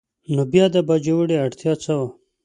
نو بیا د باجوړي اړتیا څه وه؟